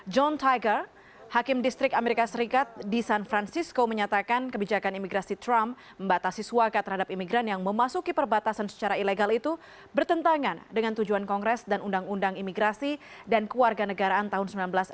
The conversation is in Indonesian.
john tiger hakim distrik amerika serikat di san francisco menyatakan kebijakan imigrasi trump membatasi suaka terhadap imigran yang memasuki perbatasan secara ilegal itu bertentangan dengan tujuan kongres dan undang undang imigrasi dan keluarga negaraan tahun seribu sembilan ratus empat puluh